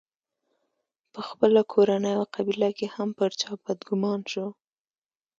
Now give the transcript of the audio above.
په خپله کورنۍ او قبیله کې هم پر چا بدګومان شو.